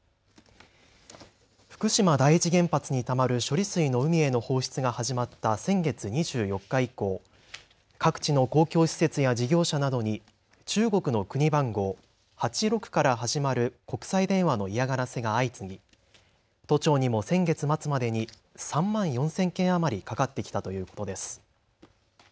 福島第一原発にたまる処理水の海への放出が始まった先月２４日以降、各地の公共施設や事業者などに中国の国番号、８６から始まる国際電話の嫌がらせが相次ぎ都庁にも先月末までに３万４０００件余りかかってきたということです。